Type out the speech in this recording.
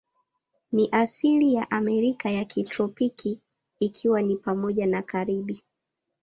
Ni asili ya Amerika ya kitropiki, ikiwa ni pamoja na Karibi.